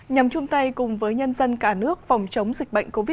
nhằm chung tay cùng với nhân dân cả nước phòng chống dịch bệnh covid một mươi chín